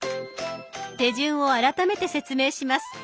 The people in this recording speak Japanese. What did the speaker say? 手順を改めて説明します。